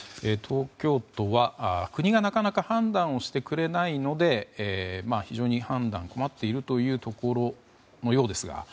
東京都は国がなかなか判断をしてくれないので非常に判断に困っているというところのようです。